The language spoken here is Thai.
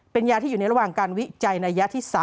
เป็นยาที่อยู่ในระหว่างการวิจัยในระยะที่๓